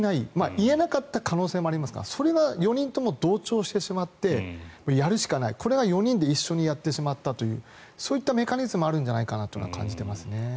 言えなかった可能性もありますがそれは４人とも同調してしまってやるしかない、これが４人で一緒にやってしまったというそういったメカニズムもあるんじゃないかなとは感じています。